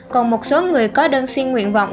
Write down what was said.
còn một số người có đơn xin nguyện vọng